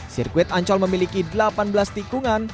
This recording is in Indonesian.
sirkuit ancol memiliki delapan belas tikungan